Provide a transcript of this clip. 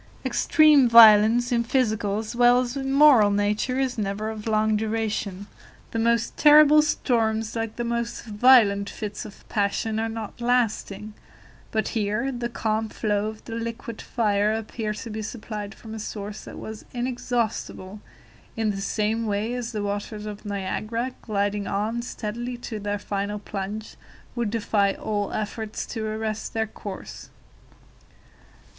Extreme violence in physical, as well as in moral nature, is never of long duration. The most terrible storms, like the most violent fits of passion, are not lasting; but here the calm flow of the liquid fire appeared to be supplied from a source that was inexhaustible, in the same way as the waters of Niagara, gliding on steadily to their final plunge, would defy all effort to arrest their course.